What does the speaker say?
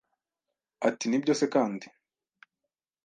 Ati Nibyo se kandi